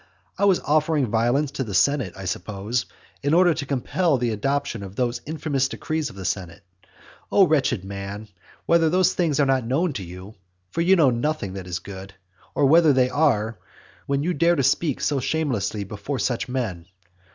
I was offering violence to the senate, I suppose, in order to compel the adoption of those infamous decrees of the senate. O wretched man, whether those things are not known to you, (for you know nothing that is good,) or whether they are, when you dare to speak so shamelessly before such men!